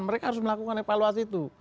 mereka harus melakukan evaluasi itu